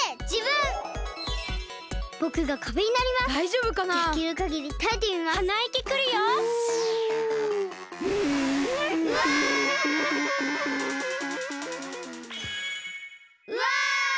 うわ！